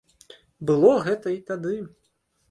Было гэта і тады.